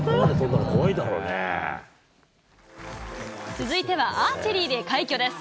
続いてはアーチェリーで快挙です。